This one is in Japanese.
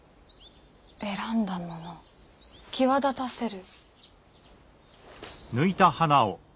選んだもの際立たせる。